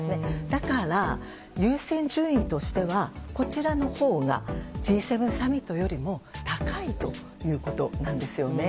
だから、優先順位としてはこちらのほうがＧ７サミットよりも高いということです。